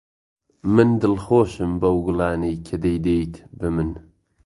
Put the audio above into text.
من دڵخۆشم بەو گوڵانەی کە دەیدەیت بە من.